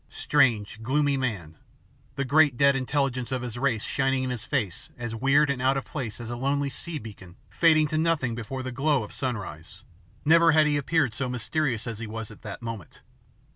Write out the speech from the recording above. Strange, gloomy man, the great dead intelligence of his race shining in his face as weird and out of place as a lonely sea beacon fading to nothing before the glow of sunrise, never had he appeared so mysterious as at that moment.